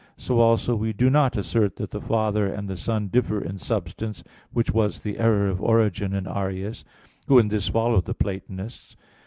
So also we do not assert that the Father and the Son differ in substance, which was the error of Origen and Arius, who in this followed the Platonists.